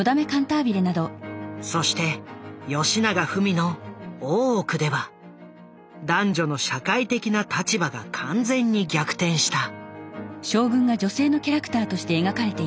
そしてよしながふみの「大奥」では男女の社会的な立場が完全に逆転した。